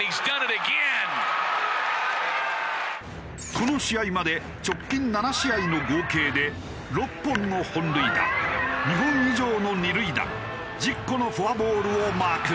この試合まで直近７試合の合計で６本の本塁打２本以上の二塁打１０個のフォアボールをマーク。